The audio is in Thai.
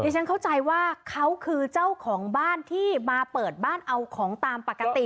ฉันเข้าใจว่าเขาคือเจ้าของบ้านที่มาเปิดบ้านเอาของตามปกติ